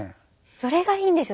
それがいいんですよ